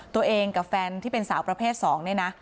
ตัวเองกับแฟนที่เป็นสาวประเภท๒เนี่ยนะ